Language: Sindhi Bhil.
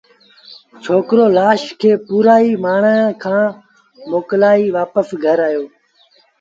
ڇوڪرو لآش کي پورآئي مآڻهآݩ کآݩ موڪلآئي وآپس گھر آيو